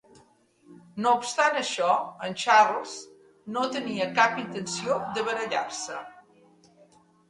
No obstant això, en Charles no tenia cap intenció de barallar-se.